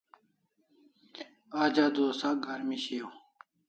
Aj adua sak garmi shiaw